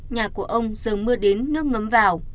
nhà của ông giờ mưa đến nước ngấm vào